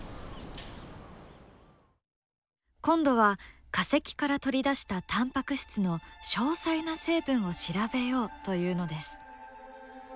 今度は化石から取り出したタンパク質の詳細な成分を調べようというのです。